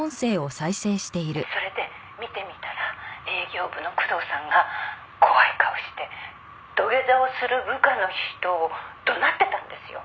「それで見てみたら営業部の工藤さんが怖い顔して土下座をする部下の人を怒鳴ってたんですよ」